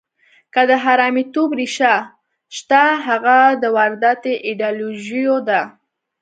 که د حرامیتوب ریښه شته، هغه د وارداتي ایډیالوژیو ده.